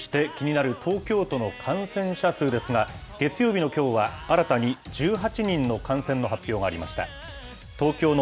そして、気になる東京都の感染者数ですが、月曜日のきょうは、新たに１８人の感染の発表がありました。